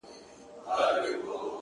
پر مخ وريځ،